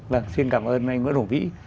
vâng xin cảm ơn anh nguyễn hùng vĩ